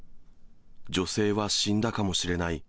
女性は死んだかもしれない。